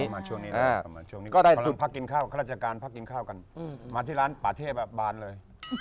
มาช่วงนี้นะประมาณช่วงนี้พักกินข้าวข้าราชการพักกินข้าวกันมาที่ร้านป่าเทพบานเลย